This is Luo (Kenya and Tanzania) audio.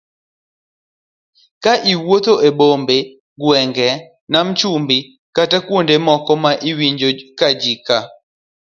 Ka iwuotho e bombe, gwenge, nam chumbi kata kuonde moko ma iwinjo ji ka